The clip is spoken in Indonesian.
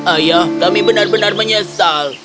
ayah kami benar benar menyesal